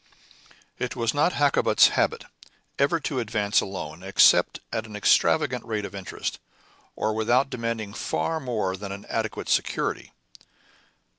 It was not Hakkabut's habit ever to advance a loan except at an extravagant rate of interest, or without demanding far more than an adequate security.